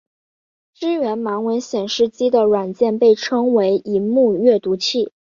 支援盲文显示机的软件被称为萤幕阅读器。